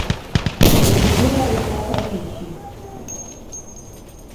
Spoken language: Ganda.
Ebiduula birina kabi ki?